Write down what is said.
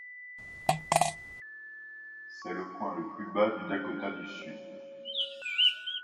C'est le point le plus bas du Dakota du Sud.